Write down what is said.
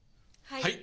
はい！